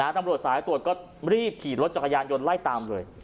ตำรวจสายตรวจก็รีบขี่รถจักรยานยนต์ไล่ตามเลย